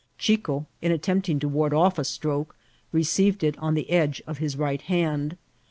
Chico, in attempting to ward off a stroke, received it on the edge of his right hand.